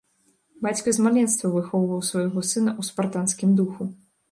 Бацька з маленства выхоўваў свайго сына ў спартанскім духу.